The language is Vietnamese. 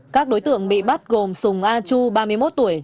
các đối tượng bị bắt gồm sùng a chu ba mươi một tuổi